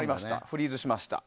フリーズしました。